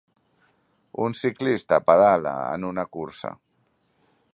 Un ciclista pedala en una cursa.